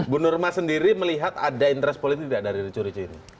bu nurma sendiri melihat ada interest politik tidak dari ricu rici ini